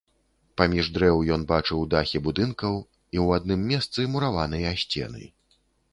Паміж дрэў ён бачыў дахі будынкаў і ў адным месцы мураваныя сцены.